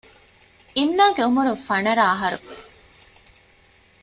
އިމްނާގެ އުމުރުން ފަނަރަ އަހަރު